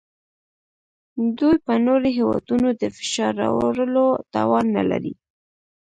دوی په نورو هیوادونو د فشار راوړلو توان نلري